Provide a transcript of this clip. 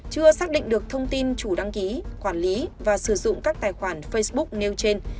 chưa xác định được thông tin chủ đăng ký quản lý và sử dụng các tài khoản facebook nêu trên